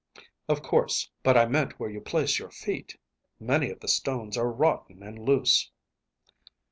"Of course; but I meant where you place your feet. Many of the stones are rotten and loose."